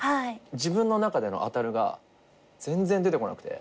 自分の中でのあたるが全然出てこなくて。